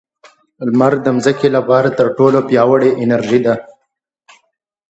• لمر د ځمکې لپاره تر ټولو پیاوړې انرژي ده.